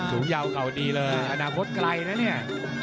สูงยาวของเขาดีเลยข้าวอนาพฤศกัยนะเนี่ย